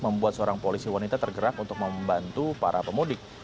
membuat seorang polisi wanita tergerak untuk membantu para pemudik